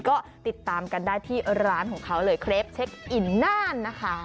ก็ติดตามกันได้ที่ร้านของเขาเลยเครปเช็คอินน่านนะคะ